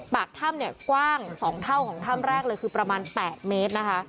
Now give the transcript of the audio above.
ปากถ้ำเนี่ยกว้าง๒เท่าของถ้ำแรกเลยคือประมาณ๘เมตรนะคะ